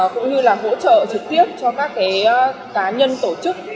cũng như là hỗ trợ trực tiếp cho các cá nhân tổ chức